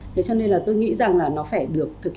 thế cho nên là tôi nghĩ rằng là nó phải được